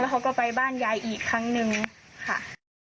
เขาก็ไปบ้านยายอีกครั้งนึงค่ะ